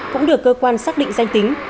cũng được cơ quan xác định danh tính